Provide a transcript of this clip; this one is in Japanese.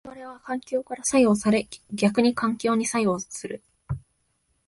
我々は環境から作用され逆に環境に作用する。